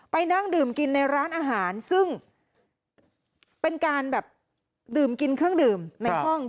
นั่งดื่มกินในร้านอาหารซึ่งเป็นการแบบดื่มกินเครื่องดื่มในห้อง